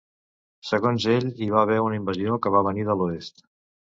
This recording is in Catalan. Segons ell, hi va haver una invasió que va venir de l'oest.